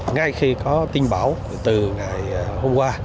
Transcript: ngay khi có tin báo từ ngày hôm qua